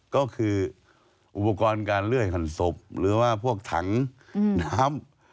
ก็คืออุปกรณ์การเลื่อยหันศพหรือว่าพวกถังน้ำ